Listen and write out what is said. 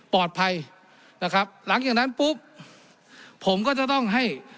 ปลอดภัยนะครับหลังจากนั้นปุ๊บผมก็จะต้องให้